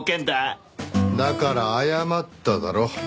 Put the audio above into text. だから謝っただろ。